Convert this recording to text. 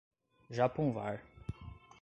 Japonvar